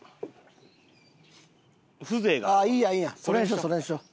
それにしようそれにしよう。